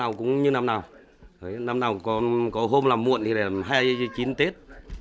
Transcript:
các cháu các chất năm nào cũng như năm nào năm nào có hôm làm muộn thì là hai mươi chín tết